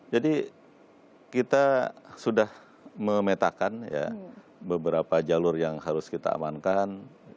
kita sudah memetakan beberapa jalur yang harus kita amankan